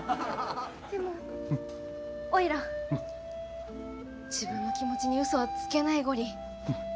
「でもおいら自分の気持ちにうそはつけないゴリ。